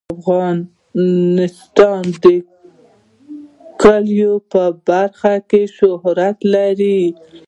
افغانستان د کلیو په برخه کې شهرت لري.